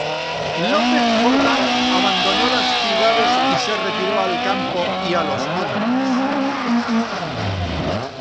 López Jordán abandonó las ciudades y se retiró al campo y a los montes.